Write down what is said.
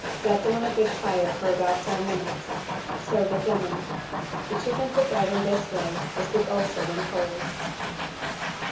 Let them on a good fire for about ten minutes. Serve with lemon. The chicken prepared in this way is good also when cold.